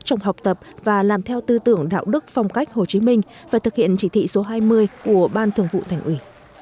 trong học tập và làm theo tư tưởng đạo đức phong cách hồ chí minh và thực hiện chỉ thị số hai mươi của ban thường vụ thành ủy